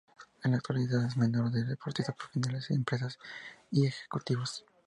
En la actualidad es mentor de deportistas profesionales, empresas y ejecutivos.